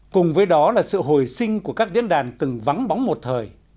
cùng với đó là sự hồi sinh của các diễn đàn từng vắng bóng một thời